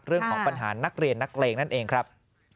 เรื่องของปัญหานักเรียนนักเลงนั่นเองครับ